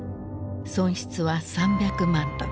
損失は３００万ドル。